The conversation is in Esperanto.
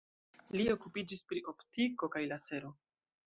Li okupiĝis pri optiko kaj lasero.